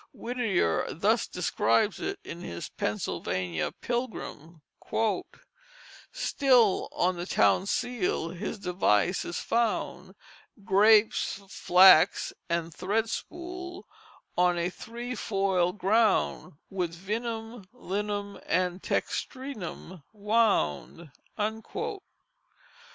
Whittier thus describes it in his Pennsylvania Pilgrim: "Still on the town seal his device is found, Grapes, flax, and thread spool on a three foil ground With Vinum, Linum, et Textrinum wound."